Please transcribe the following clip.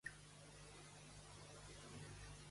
Què va ocórrer després de forma miraculosa?